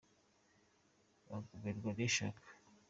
Bagumirwa n’ishaka